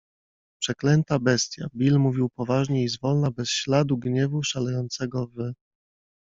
- Przeklęta bestia. - Bill mówił poważnie i z wolna, bez śladu gniewu, szalejącego w